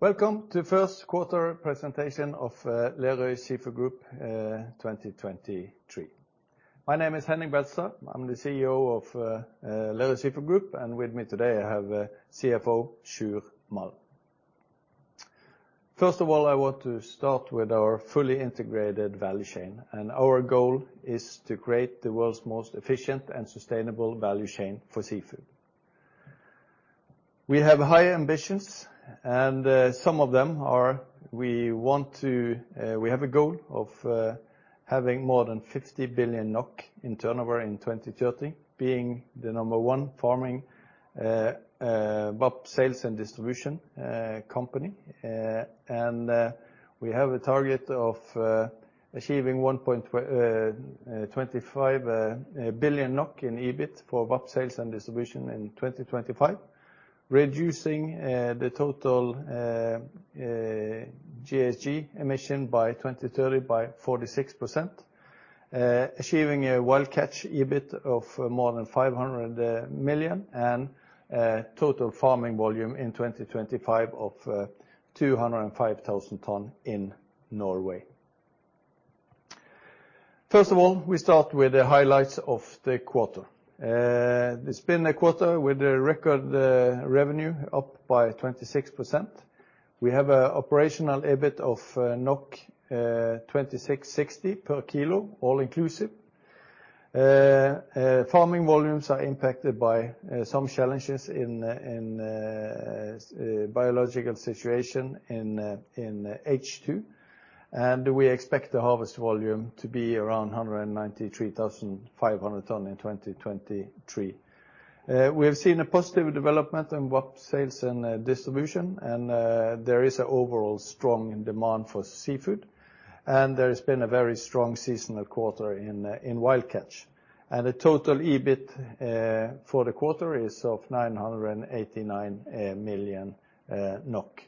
Welcome to Q1 presentation of Lerøy Seafood Group, 2023. My name is Henning Beltestad. I'm the CEO of Lerøy Seafood Group, and with me today I have CFO Sjur S. Malm. First of all, I want to start with our fully integrated value chain. Our goal is to create the world's most efficient and sustainable value chain for seafood. We have high ambitions. Some of them are, we want to, we have a goal of having more than 50 billion NOK in turnover in 2030, being the number one farming, but sales and distribution company. We have a target of achieving 1.25 billion NOK in EBIT for VAP, Sales & Distribution in 2025, reducing the total GHG emission by 2030 by 46%, achieving a wild catch EBIT of more than 500 million and a total farming volume in 2025 of 205,000 tons in Norway. First of all, we start with the highlights of the quarter. It's been a quarter with a record revenue up by 26%. We have an operational EBIT of 26.60 per kilo, all inclusive. Farming volumes are impacted by some challenges in biological situation in H2. We expect the harvest volume to be around 193,500 ton in 2023. We have seen a positive development in VAP, Sales & Distribution. There is an overall strong demand for seafood. There has been a very strong seasonal quarter in wild catch. The total EBIT for the quarter is of 989 million NOK.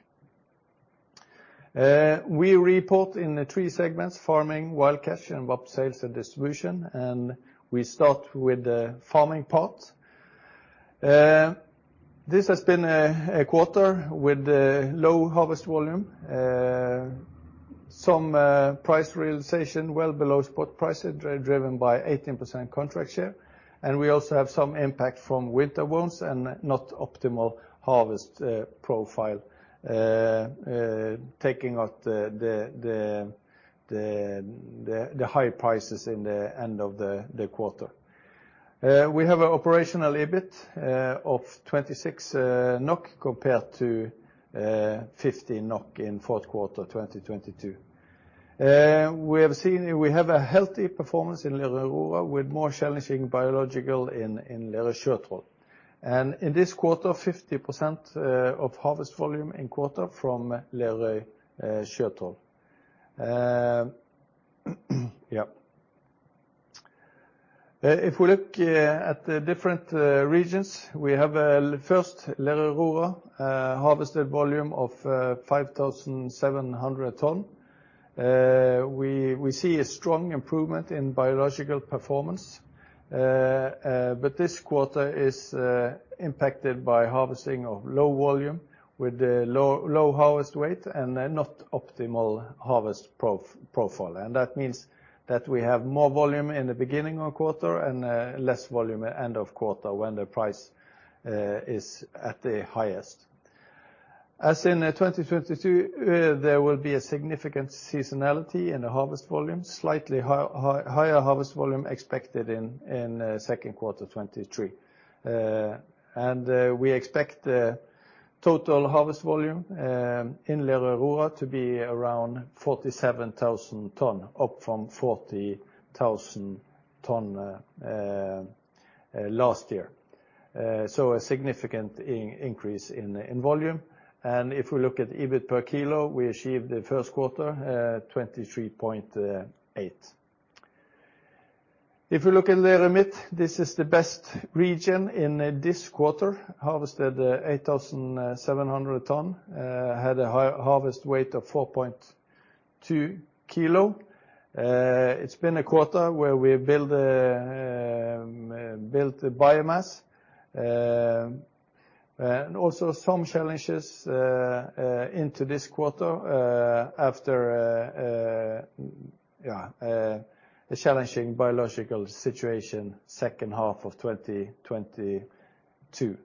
We report in the three segments, farming, wild catch, and VAP, Sales & Distribution. We start with the farming part. This has been a quarter with low harvest volume. Some price realization well below spot prices driven by 18% contract share, and we also have some impact from winter wounds and not optimal harvest profile taking out the high prices in the end of the quarter. We have an operational EBIT of 26 NOK compared to 15 NOK in Q4 2022. We have a healthy performance in Lerøy Aurora with more challenging biological in Lerøy Sjøtroll. In this quarter, 50% of harvest volume in quarter from Lerøy Sjøtroll. If we look at the different regions, we have first Lerøy Aurora harvested volume of 5,700 tons. We see a strong improvement in biological performance, but this quarter is impacted by harvesting of low volume with low harvest weight and not optimal harvest profile. That means that we have more volume in the beginning of quarter and less volume end of quarter when the price is at the highest. As in 2022, there will be a significant seasonality in the harvest volume, slightly higher harvest volume expected in second quarter 2023. We expect the total harvest volume in Lerøy Aurora to be around 47,000 tons, up from 40,000 tons last year. So a significant increase in volume. If we look at EBIT per kilo, we achieved the Q1 23.8. If we look at Lerøy Midt, this is the best region in this quarter, harvested 8,700 tons, had a high harvest weight of 4.2 kg. It's been a quarter where we built the biomass. Also some challenges into this quarter after a challenging biological situation second half of 2022.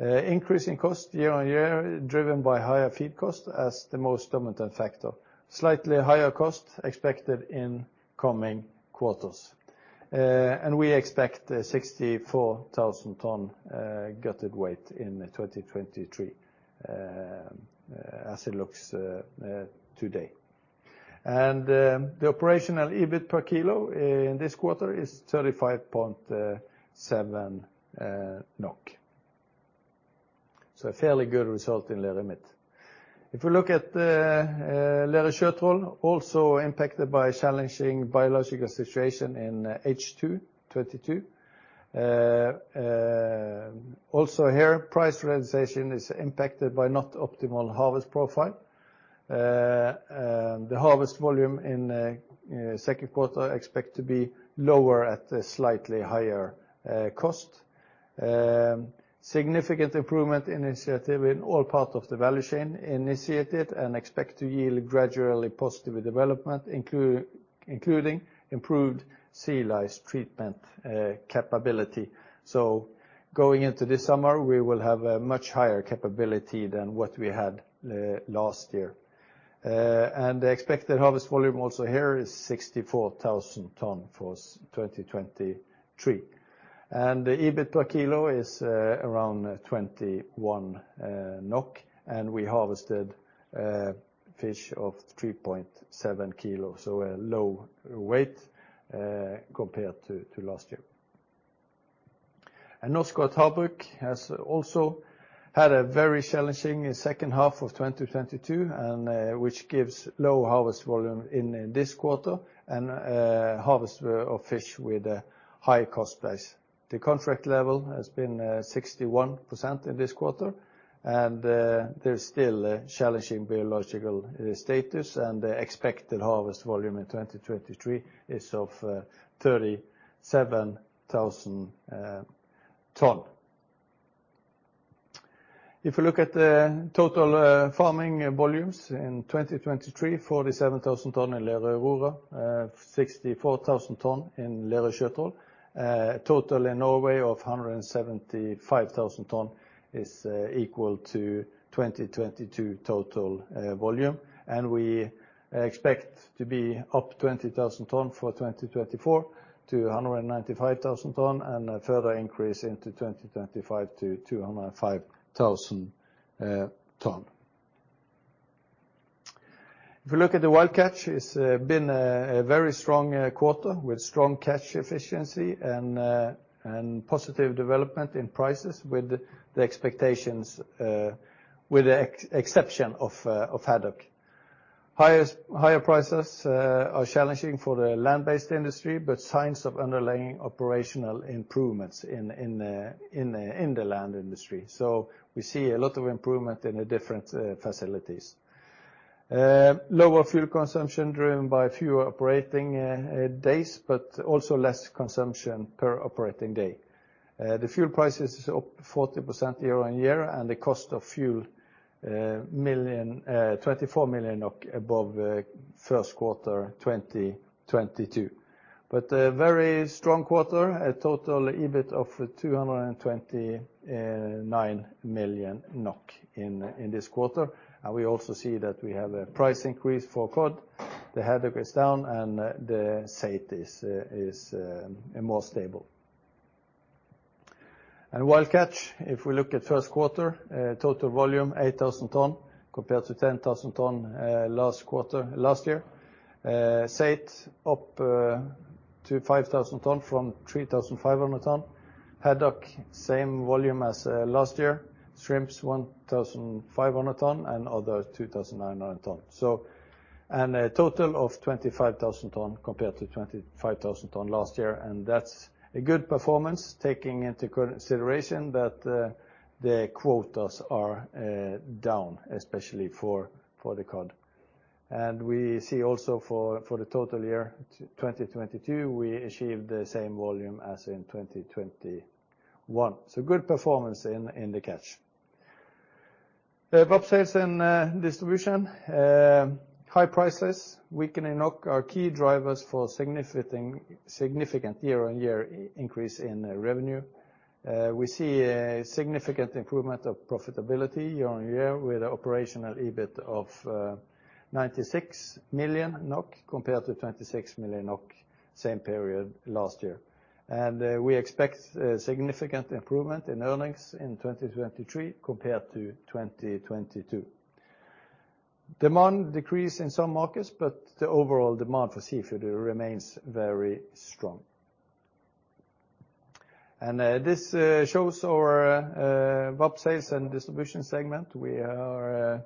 Increase in cost year-on-year driven by higher feed cost as the most dominant factor. Slightly higher cost expected in coming quarters. We expect 64,000 tons gutted weight in 2023 as it looks today. The operational EBIT per kilo in this quarter is 35.7 NOK. A fairly good result in Lerøy Midt. If we look at Lerøy Sjøtroll, also impacted by challenging biological situation in H2 2022. Also here, price realization is impacted by not optimal harvest profile. The harvest volume in Q2 expect to be lower at a slightly higher cost. Significant improvement initiative in all part of the value chain initiated and expect to yield gradually positive development, including improved sea lice treatment capability. Going into this summer, we will have a much higher capability than what we had last year. The expected harvest volume also here is 64,000 tons for 2023. The EBIT per kilo is around 21 NOK, and we harvested fish of 3.7 kilos, so a low weight compared to last year. Norsk Havbruk AS has also had a very challenging second half of 2022, which gives low harvest volume in this quarter and harvest of fish with a high cost base. The contract level has been 61% in this quarter, and there's still a challenging biological status, and the expected harvest volume in 2023 is of 37,000 ton. If you look at the total farming volumes in 2023, 47,000 ton in Lerøy Aurora, 64,000 ton in Lerøy Sjøtroll. Total in Norway of 175,000 ton is equal to 2022 total volume. We expect to be up 20,000 ton for 2024 to 195,000 ton and a further increase into 2025 to 205,000 ton. If you look at the wild catch, it's been a very strong quarter with strong catch efficiency and positive development in prices with the exception of haddock. Higher prices are challenging for the land-based industry, but signs of underlying operational improvements in the land industry. We see a lot of improvement in the different facilities. Lower fuel consumption driven by fewer operating days, but also less consumption per operating day. The fuel price is up 40% year-on-year, and the cost of fuel 24 million above Q1 2022. A very strong quarter, a total EBIT of 229 million NOK in this quarter. We also see that we have a price increase for Cod. The Haddock is down, the Saithe is more stable. Wild catch, if we look at Q1, total volume 8,000 tons compared to 10,000 tons last quarter last year. Saithe up to 5,000 tons from 3,500 tons. Haddock, same volume as last year. Shrimps, 1,500 tons and other 2,900 tons. A total of 25,000 tons compared to 25,000 tons last year, and that's a good performance taking into consideration that the quotas are down, especially for the Cod. We see also for the total year 2022, we achieved the same volume as in 2021. Good performance in the catch. The hub sales and distribution, high prices weakening NOK are key drivers for significant year-on-year increase in revenue. We see a significant improvement of profitability year-on-year with the operational EBIT of 96 million NOK compared to 26 million NOK same period last year. We expect a significant improvement in earnings in 2023 compared to 2022. Demand decreased in some markets, but the overall demand for seafood remains very strong. This shows our hub sales and distribution segment. We are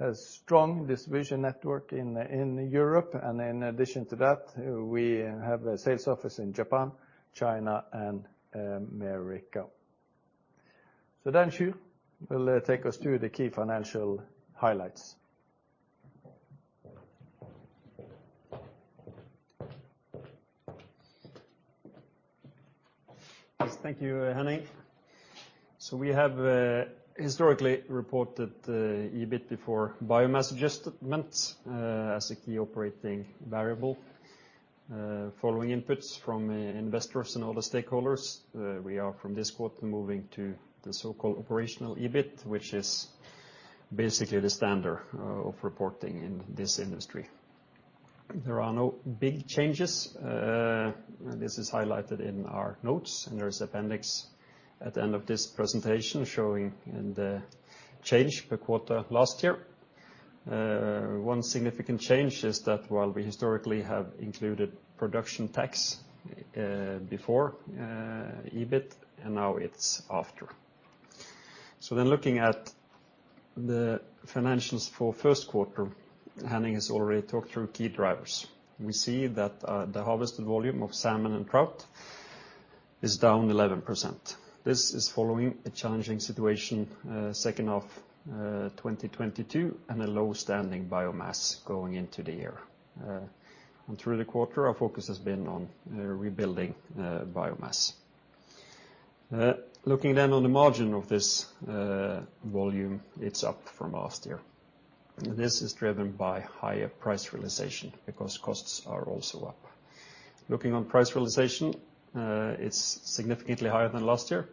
a strong distribution network in Europe. In addition to that, we have a sales office in Japan, China and America. Sjur will take us through the key financial highlights. Yes, thank you, Henning. We have historically reported the EBIT before biomass adjustments as a key operating variable. Following inputs from investors and other stakeholders, we are from this quarter moving to the so-called operational EBIT, which is basically the standard of reporting in this industry. There are no big changes. This is highlighted in our notes, and there is appendix at the end of this presentation showing the change per quarter last year. One significant change is that while we historically have included production tax before EBIT, and now it's after. Looking at the financials for Q1, Henning has already talked through key drivers. We see that the harvested volume of Salmon and Trout is down 11%. This is following a challenging situation, second half 2022 and a low standing biomass going into the year. Through the quarter, our focus has been on rebuilding biomass. Looking then on the margin of this volume, it's up from last year. This is driven by higher price realization because costs are also up. Looking on price realization, it's significantly higher than last year,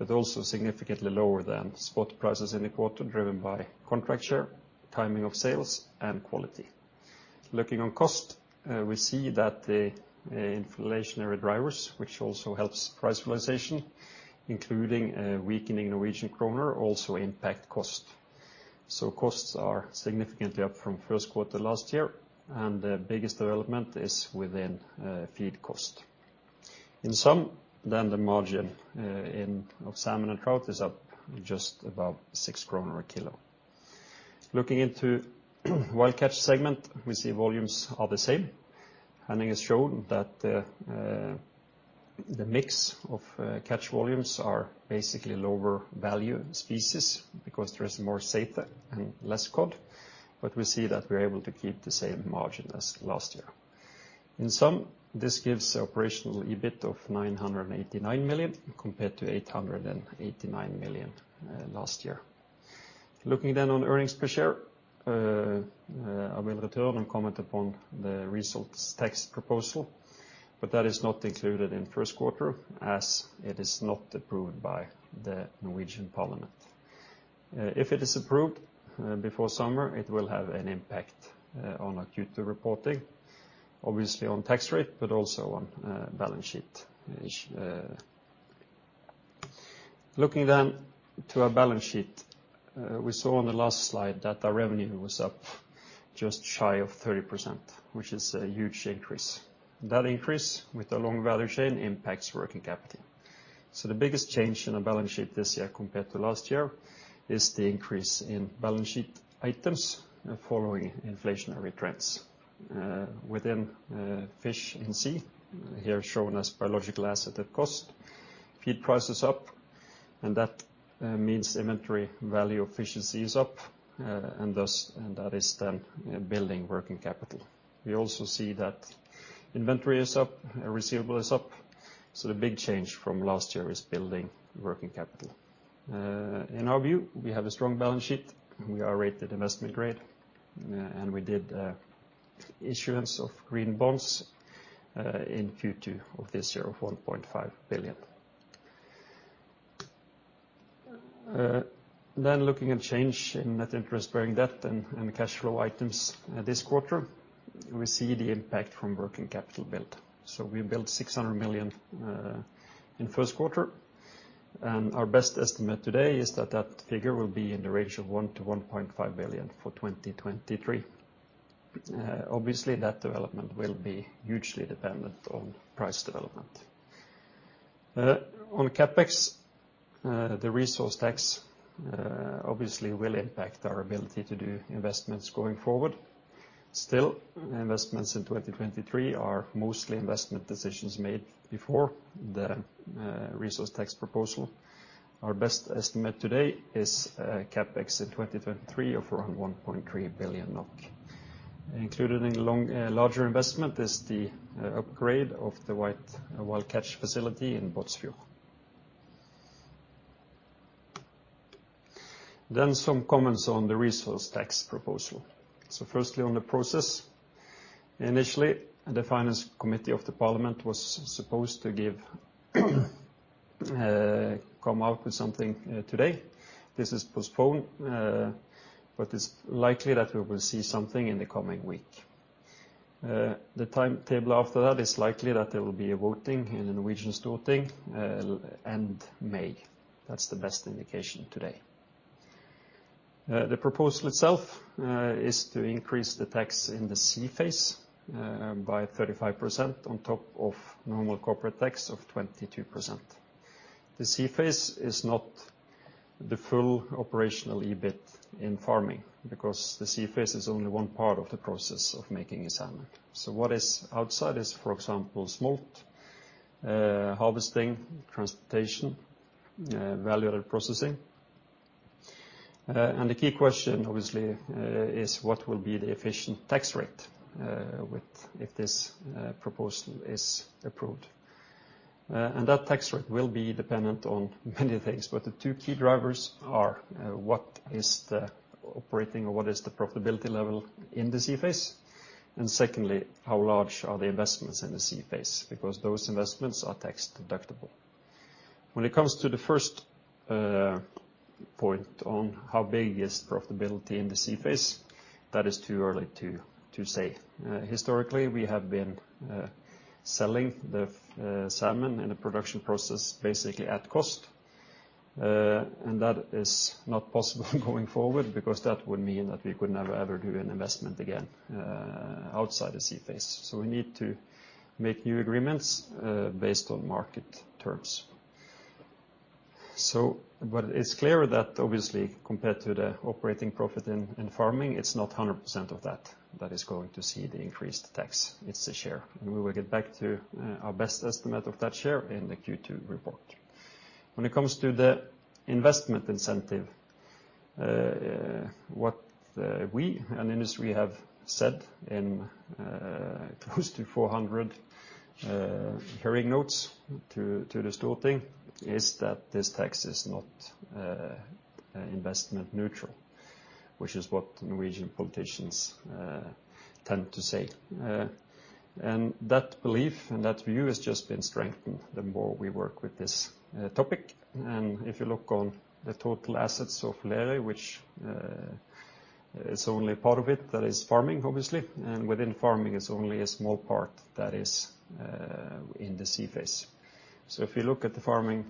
but also significantly lower than spot prices in the quarter, driven by contract share, timing of sales, and quality. Looking on cost, we see that the inflationary drivers, which also helps price realization, including a weakening Norwegian kroner, also impact cost. Costs are significantly up from Q1 last year, and the biggest development is within feed cost. In sum, the margin of Salmon and Trout is up just about 6 kroner a kilo. Looking into wild catch segment, we see volumes are the same. Hunting has shown that the mix of catch volumes are basically lower value species because there is more Saithe and less Cod, but we see that we're able to keep the same margin as last year. In sum, this gives operational EBIT of 989 million compared to 889 million last year. Looking on earnings per share, I will return and comment upon the results tax proposal, but that is not included in Q1 as it is not approved by the Norwegian Parliament. Uh, if it is approved, uh, before summer, it will have an impact, uh, on our Q2 reporting, obviously on tax rate, but also on, uh, balance sheet, uh... "Q2" is correct. * "tax rate" is common financial term, no specific glossary entry, keep as is. * "balance sheet" is commo In our view, we have a strong balance sheet. We are rated investment grade, we did issuance of green bonds in Q2 of this year of 1.5 billion. Looking at change in net interest-bearing debt and cash flow items this quarter, we see the impact from working capital build. We built 600 million in Q1. Our best estimate today is that that figure will be in the range of 1 billion-1.5 billion for 2023. Obviously, that development will be hugely dependent on price development. On CapEx, the resource tax obviously will impact our ability to do investments going forward. Still, investments in 2023 are mostly investment decisions made before the resource tax proposal. Our best estimate today is CapEx in 2023 of around 1.3 billion NOK. Included in larger investment is the upgrade of the white wild catch facility in Båtsfjord. Some comments on the resource tax proposal. Firstly, on the process, initially, the Finance Committee of the Parliament was supposed to give come out with something today. This is postponed. It's likely that we will see something in the coming week. The timetable after that is likely that there will be a voting in the Norwegian Storting end May. That's the best indication today. The proposal itself is to increase the tax in the sea phase by 35% on top of normal corporate tax of 22%. The sea phase is not the full operational EBIT in farming because the sea phase is only one part of the process of making a salmon. What is outside is, for example, smolt, harvesting, transportation, value-added processing. The key question obviously is what will be the efficient tax rate if this proposal is approved. That tax rate will be dependent on many things, but the two key drivers are what is the operating or what is the profitability level in the sea phase, and secondly, how large are the investments in the sea phase, because those investments are tax-deductible. When it comes to the first point on how big is profitability in the sea phase, that is too early to say. Historically, we have been selling the Salmon in a production process basically at cost, and that is not possible going forward because that would mean that we could never, ever do an investment again outside the sea phase. We need to make new agreements based on market terms. It's clear that obviously compared to the operating profit in farming, it's not 100% of that that is going to see the increased tax. It's the share. We will get back to our best estimate of that share in the Q2 report. When it comes to the investment incentive, what we and industry have said in close to 400 hearing notes to the Storting, is that this tax is not investment neutral, which is what Norwegian politicians tend to say. That belief and that view has just been strengthened the more we work with this topic. If you look on the total assets of Lerøy, which is only part of it that is farming, obviously, and within farming is only a small part that is in the sea phase. If you look at the farming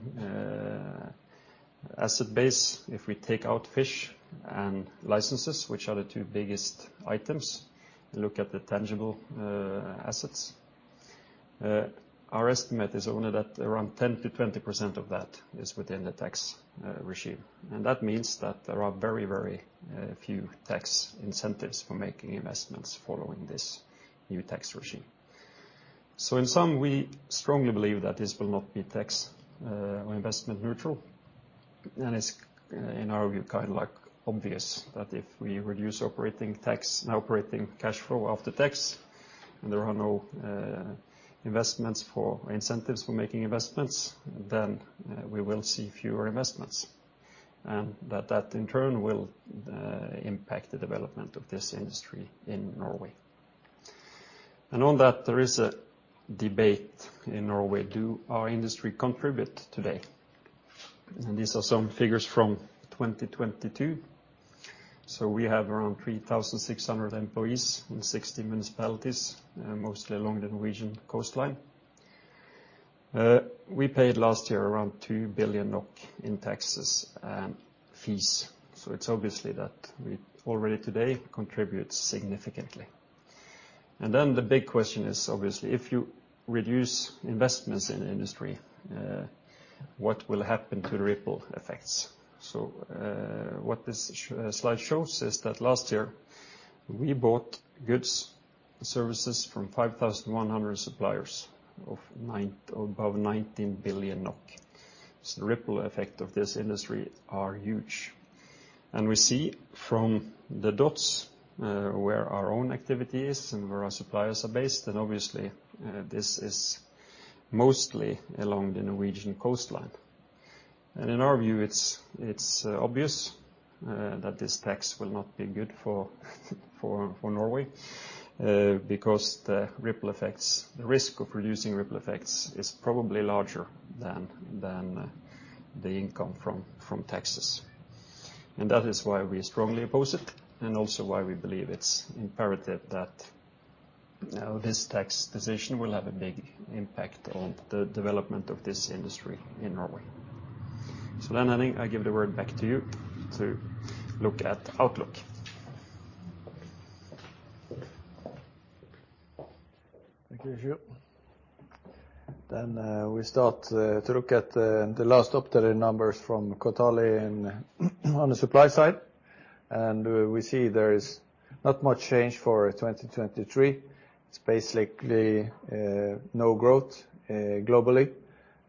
asset base, if we take out fish and licenses, which are the two biggest items, and look at the tangible assets, our estimate is only that around 10%-20% of that is within the tax regime. That means that there are very, very few tax incentives for making investments following this new tax regime. In sum, we strongly believe that this will not be tax or investment neutral. It's, in our view, kind of like obvious that if we reduce operating tax, now operating cash flow after tax, and there are no investments for incentives for making investments, then we will see fewer investments. That in turn will impact the development of this industry in Norway. On that, there is a debate in Norway, do our industry contribute today? These are some figures from 2022. We have around 3,600 employees in 60 municipalities, mostly along the Norwegian coastline. We paid last year around 2 billion NOK in taxes and fees. It's obviously that we already today contribute significantly. Then the big question is obviously, if you reduce investments in industry, what will happen to the ripple effects? What this slide shows is that last year we bought goods and services from 5,100 suppliers above 19 billion NOK. The ripple effect of this industry are huge. We see from the dots, where our own activity is and where our suppliers are based, and obviously, this is mostly along the Norwegian coastline. In our view, it's obvious that this tax will not be good for Norway, because the ripple effects, the risk of reducing ripple effects is probably larger than the income from taxes. That is why we strongly oppose it, and also why we believe it's imperative that this tax decision will have a big impact on the development of this industry in Norway. Henning, I give the word back to you to look at outlook. Thank you, Henning Beltestad. We start to look at the last updated numbers from Kontali on the supply side. We see there is not much change for 2023. It's basically no growth globally.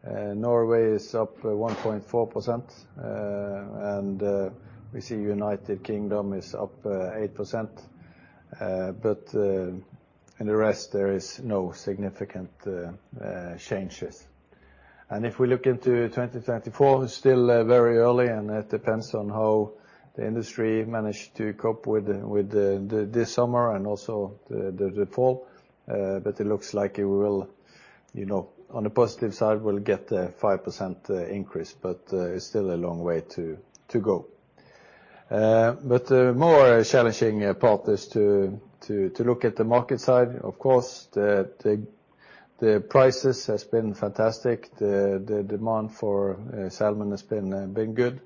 Norway is up 1.4%. We see United Kingdom is up 8%. In the rest there is no significant changes. If we look into 2024, it's still very early, and it depends on how the industry managed to cope with the this summer and also the fall. It looks like it will, you know, on the positive side, we'll get a 5% increase. It's still a long way to go. The more challenging part is to look at the market side. Of course, the prices has been fantastic. The demand for Salmon has been good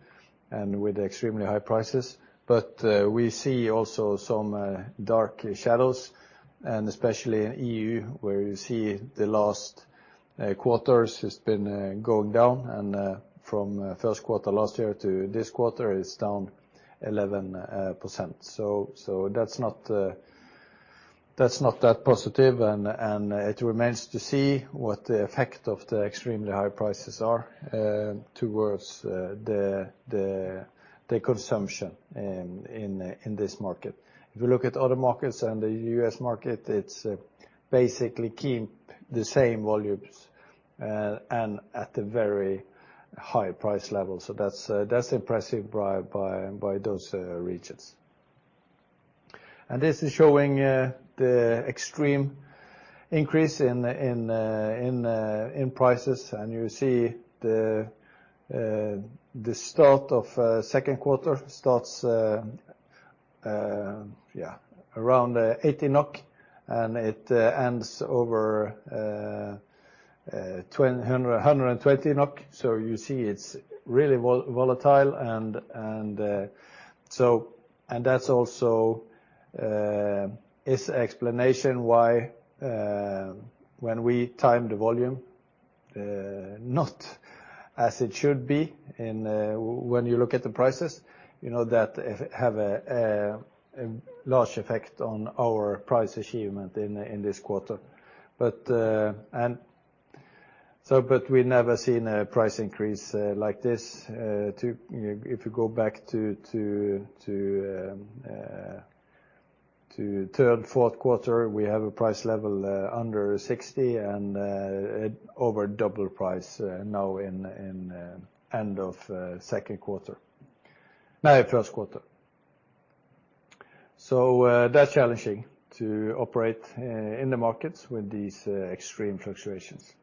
and with extremely high prices. We see also some dark shadows, and especially in EU, where you see the last quarters has been going down, and from Q1 last year to this quarter is down 11%. That's not that positive, and it remains to see what the effect of the extremely high prices are towards the consumption in this market. If you look at other markets and the U.S. market, it's basically keep the same volumes and at a very high price level. That's impressive by those regions. This is showing the extreme increase in prices. You see the start of Q2 starts around 80 NOK, and it ends over 120 NOK. You see it's really volatile and that's also its explanation why When we time the volume not as it should be in when you look at the prices, you know that it have a large effect on our price achievement in this quarter. We never seen a price increase like this, to, you know, if you go back to third, Q4, we have a price level under 60 and over double price now in end of Q2. Now in Q1. That's challenging to operate in the markets with these extreme fluctuations.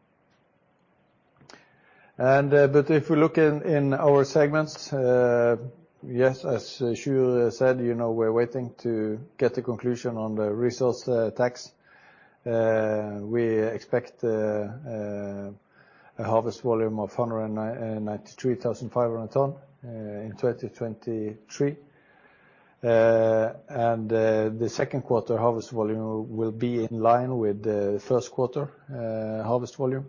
If we look in our segments, yes, as Sjur said, you know, we're waiting to get the conclusion on the resource tax. We expect a harvest volume of 193,500 tons in 2023. The Q2 harvest volume will be in line with the Q1 harvest volume.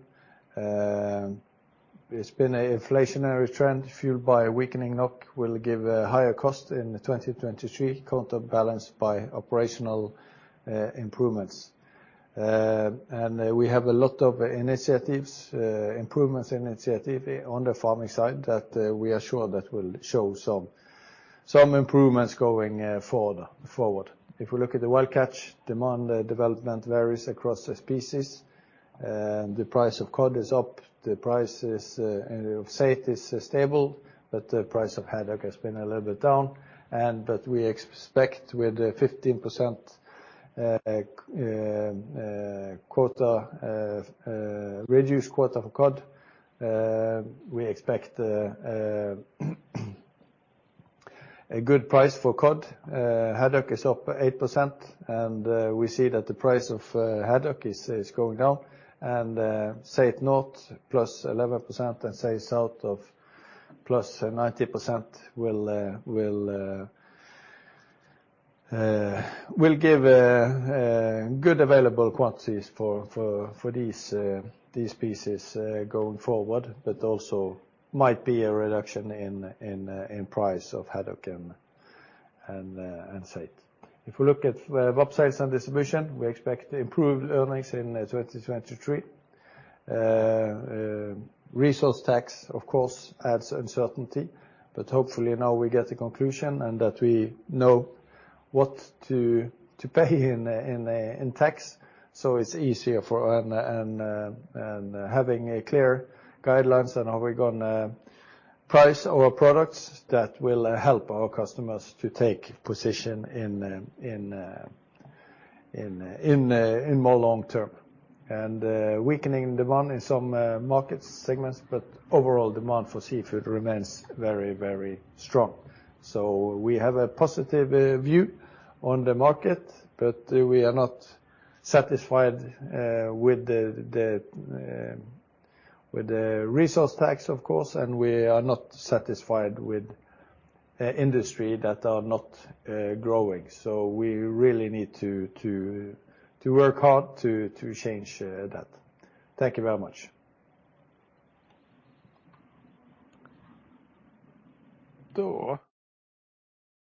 It's been a inflationary trend fueled by a weakening NOK will give a higher cost in 2023, counterbalanced by operational improvements. We have a lot of initiatives, improvements initiatives on the farming side that we are sure that will show some improvements going forward. We look at the wild catch, demand development varies across the species. The price of Cod is up, the prices of Saithe is stable, but the price of Haddock has been a little bit down. We expect with a 15% quota, reduced quota for Cod, we expect a good price for Cod. Haddock is up 8%, and we see that the price of Haddock is going down. Saithe north +11% and Saithe south of +90% will give a good available quantities for these species going forward. Also might be a reduction in price of Haddock and Saithe. If we look at value-added and distribution, we expect improved earnings in 2023. Resource tax of course adds uncertainty, but hopefully now we get a conclusion and that we know what to pay in tax. It's easier for and having clear guidelines on how we're gonna price our products that will help our customers to take position in more long-term. A weakening demand in some market segments, but overall demand for seafood remains very, very strong. We have a positive view on the market, but we are not satisfied with the resource tax of course, and we are not satisfied with industry that are not growing. We really need to work hard to change that. Thank you very much.